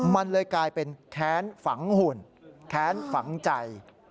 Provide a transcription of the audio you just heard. มันเลยกลายเป็นแค้นฝังหุ่นแค้นฝังใจ